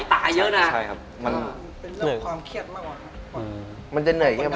เป็นเรื่องความเครียดมากว่ะ